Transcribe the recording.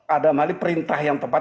ada mali perintah yang tepat